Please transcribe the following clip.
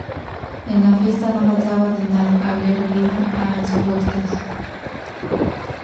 En la fiesta no faltaba de nada, había bebida a espuertas